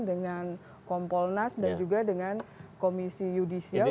dengan kompolnas dan juga dengan komisi yudisial